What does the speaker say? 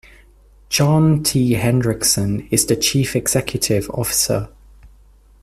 John T. Hendrickson is the Chief Executive Officer.